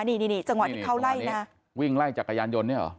นี่นี่จังหวะที่เขาไล่นะวิ่งไล่จักรยานยนต์เนี่ยเหรอ